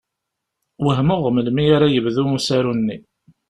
Wehmeɣ melmi ara yebdu usaru-nni.